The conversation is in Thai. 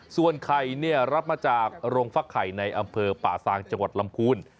ส่วนไข่เนี่ยรับมาจากโรงฟักไข่ในอำเภอป่าซางจังหวัดลำพูน